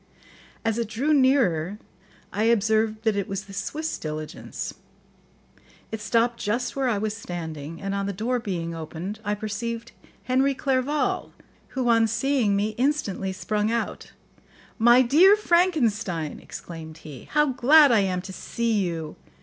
As it drew nearer I observed that it was the Swiss diligence; it stopped just where I was standing, and on the door being opened, I perceived Henry Clerval, who, on seeing me, instantly sprung out. "My dear Frankenstein," exclaimed he, "how glad I am to see you!